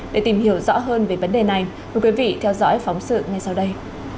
để tìm hiểu rõ hơn về vấn đề này mời quý vị theo dõi phóng sự ngay sau đây